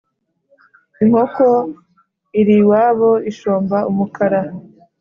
Inkoko iriwabo ishomba umukara.